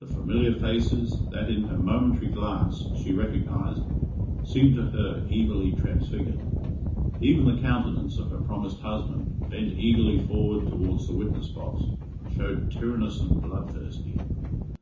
The familiar faces, that in her momentary glance, she recognized, seemed to her evilly transfigured. Even the countenance of her promised husband, bent eagerly forward towards the witness box, showed tyrannous and bloodthirsty.